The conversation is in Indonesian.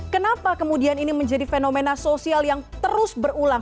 kenapa kemudian ini menjadi fenomena sosial yang terus berulang